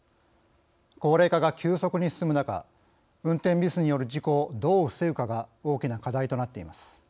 高齢化が急速に進む中運転ミスによる事故をどう防ぐかが大きな課題となっています。